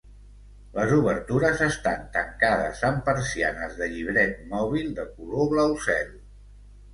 Les obertures estan tancades amb persianes de llibret mòbil de color blau cel.